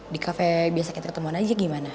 di cafe biasa ketertemuan aja gimana